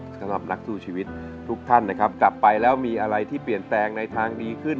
สำหรับนักสู้ชีวิตทุกท่านนะครับกลับไปแล้วมีอะไรที่เปลี่ยนแปลงในทางดีขึ้น